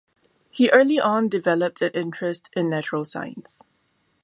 He early on developed an interest in natural science.